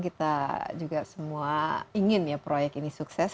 kita juga semua ingin ya proyek ini sukses